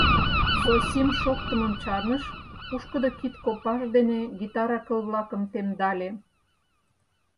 Зосим шоктымым чарныш, пушкыдо кид копаж дене гитара кыл-влакым темдале.